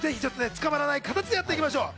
捕まらない形でやっていきましょう。